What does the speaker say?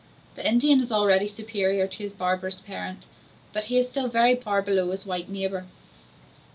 The Indian is already superior to his barbarous parent, but he is still very far below his white neighbor.